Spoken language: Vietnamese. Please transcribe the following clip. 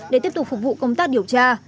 để tiếp tục phục vụ công tác điều tra